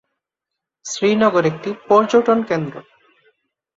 শ্রীনগর একটি পর্যটন কেন্দ্র।